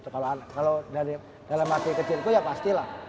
kalau dari dalam hati kecilku ya pasti lah